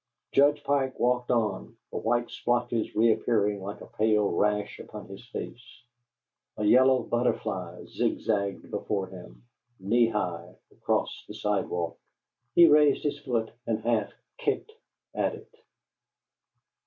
Judge Pike walked on, the white splotches reappearing like a pale rash upon his face. A yellow butterfly zigzagged before him, knee high, across the sidewalk. He raised his foot and half kicked at it.